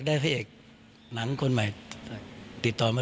เลือกอะไรดีค่ะ